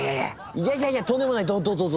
いやいやいやとんでもないどうぞ。